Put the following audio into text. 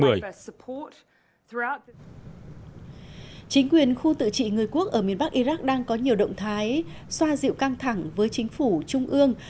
chính quyền khu tự trị người quốc ở miền bắc iraq đang có nhiều động thái xoa dịu căng thẳng với chính phủ trung ương